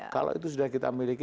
kalau itu sudah kita miliki